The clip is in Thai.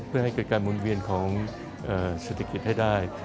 เพื่อให้เกิดการหมุนเวียนของเศรษฐกิจให้ได้